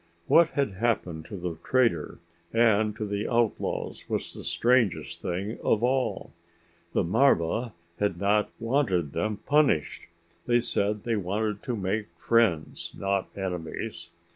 What had happened to the trader and to the outlaws was the strangest thing of all. The marva had not wanted them punished. They said they wanted to make friends, not enemies.